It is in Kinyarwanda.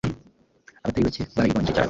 Abatari bake barayirwanyije cyane